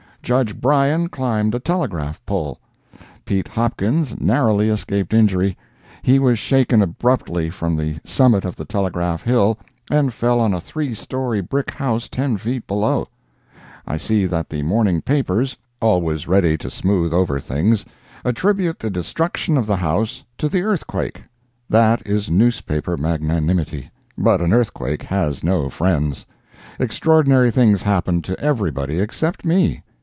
Judge Bryan climbed a telegraph pole. Pete Hopkins narrowly escaped injury. He was shaken abruptly from the summit of Telegraph Hill and fell on a three story brick house ten feet below. I see that the morning papers (always ready to smooth over things), attribute the destruction of the house to the earthquake. That is newspaper magnanimity—but an earthquake has no friends. Extraordinary things happened to everybody except me.